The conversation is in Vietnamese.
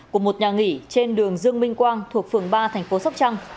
của một nhà nghỉ trên đường dương minh quang thuộc phường ba thành phố sóc trăng